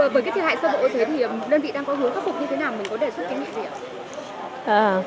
với cái thiệt hại sơ bộ như thế thì đơn vị đang có hướng khắc phục như thế nào mình có đề xuất kiến nghị gì ạ